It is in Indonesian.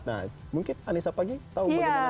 nah mungkin anissa pagi tahu bagaimana